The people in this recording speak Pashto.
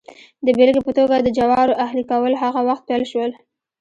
د بېلګې په توګه د جوارو اهلي کول هغه وخت پیل شول